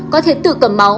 có thể tự cầm máu